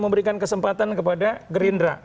memberikan kesempatan kepada gerindra